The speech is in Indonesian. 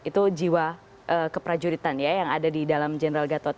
itu jiwa keprajuritan ya yang ada di dalam general gatot